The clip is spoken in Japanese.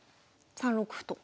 ３六歩と。